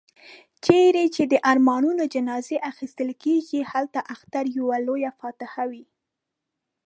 چيري چي د ارمانونو جنازې اخيستل کېږي، هلته اختر يوه لويه فاتحه وي.